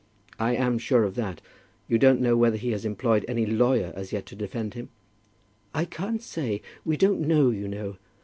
"I am sure of that. You don't know whether he has employed any lawyer as yet to defend him?" "I can't say. We don't know, you know.